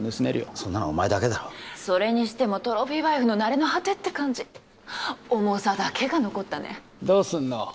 そんなのお前だけだろそれにしてもトロフィーワイフのなれの果てって感じ重さだけが残ったねどうすんの？